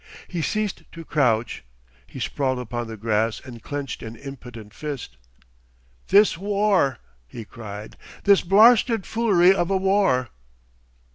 He ceased to crouch; he sprawled upon the grass and clenched an impotent fist. "This war," he cried, "this blarsted foolery of a war.